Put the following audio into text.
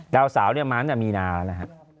ดาวเสาเนี่ยมาตั้งแต่มีนาแล้วฮะ